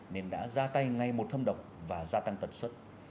nên đã ra tay ngay một thâm độc và gia tăng tận xuất